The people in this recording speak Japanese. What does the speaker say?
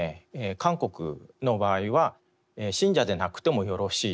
韓国の場合は信者でなくてもよろしいと。